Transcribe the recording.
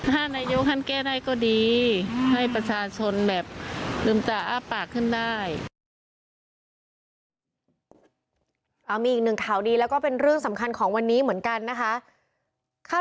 นายกท่านแก้ได้ก็ดีให้ประชาชนแบบลืมตาอ้าปากขึ้นได้